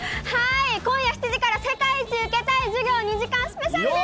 今夜７時から、世界一受けたい授業２時間スペシャルです。